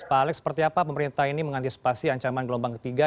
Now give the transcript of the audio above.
pak alex seperti apa pemerintah ini mengantisipasi ancaman gelombang ketiga